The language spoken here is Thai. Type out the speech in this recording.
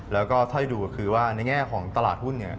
แล้วก็ถ้าที่ดูก็คือว่าในแง่ของตลาดหุ้น